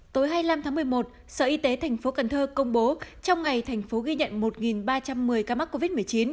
tối hai mươi năm tháng một mươi một sở y tế thành phố cần thơ công bố trong ngày thành phố ghi nhận một ba trăm một mươi ca mắc covid một mươi chín